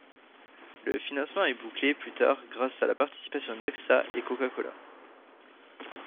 Le financement est bouclé plus tard grâce à la participation d'Axa et Coca-Cola.